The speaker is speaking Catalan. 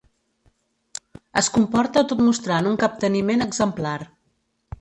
Es comporta tot mostrant un capteniment exemplar.